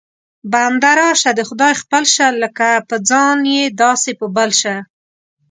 بنده راشه د خدای خپل شه، لکه په ځان یې داسې په بل شه